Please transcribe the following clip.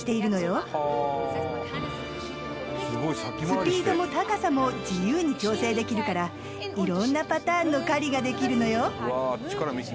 スピードも高さも自由に調整できるから色んなパターンの狩りができるのよ